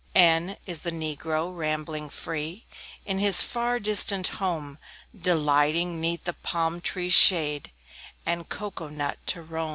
N N is the Negro, rambling free In his far distant home, Delighting 'neath the palm trees' shade And cocoa nut to roam.